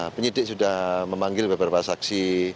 penyidik sudah memanggil beberapa saksi